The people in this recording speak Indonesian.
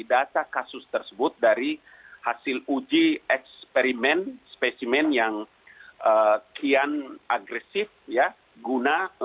data kasus tersebut dari hasil uji eksperimen spesimen yang kian agresif ya guna